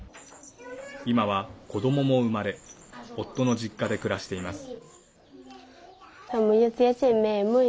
今は子どもも生まれ夫の実家で暮らしています。